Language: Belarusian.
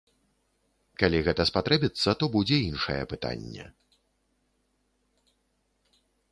Калі гэта спатрэбіцца, то будзе іншае пытанне.